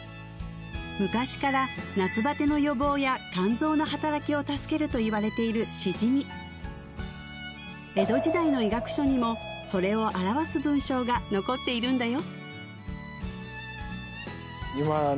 昔から夏バテの予防や肝臓の働きを助けると言われているシジミ江戸時代の医学書にもそれを表す文章が残っているんだよ